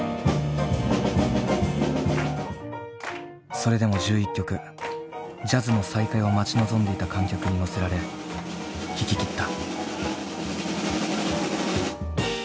それでも１１曲ジャズの再開を待ち望んでいた観客に乗せられ弾き切った。